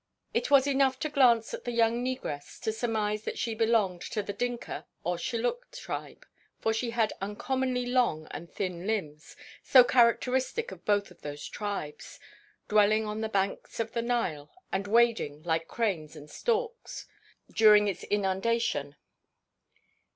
It was enough to glance at the young negress to surmise that she belonged to the Dinka or Shilluk tribe, for she had uncommonly long and thin limbs, so characteristic of both of those tribes, dwelling on the banks of the Nile and wading like cranes and storks, during its inundation.